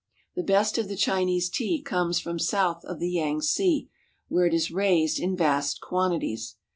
The best of the Chinese tea comes from south of the Yangtze, where it is raised in vast quantities.